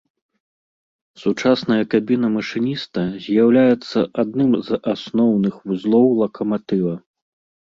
Сучасная кабіна машыніста з'яўляецца адным з асноўных вузлоў лакаматыва.